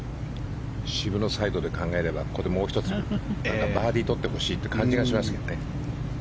渋野サイドで考えればここでもう１つバーディーを取ってほしいという感じがしますけどね。